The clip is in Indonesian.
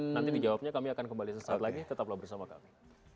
nanti dijawabnya kami akan kembali sesaat lagi tetaplah bersama kami